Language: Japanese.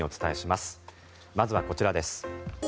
まずはこちらです。